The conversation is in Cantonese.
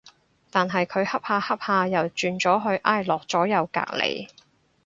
但係佢恰下恰下又轉咗去挨落咗右隔離